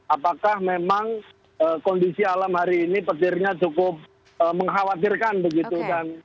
apakah memang kondisi alam hari ini petirnya cukup mengkhawatirkan begitu